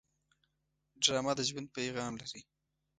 ډرامه د ژوند پیغام لري